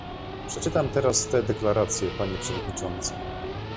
Przeczytam teraz te deklaracje, panie przewodniczący